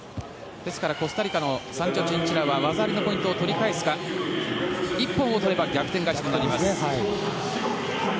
ですからコスタリカのサンチョ・チンチラは技ありを取るか一本を取れば逆転勝ちとなります。